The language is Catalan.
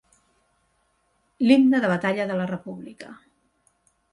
L'himne de batalla de la república.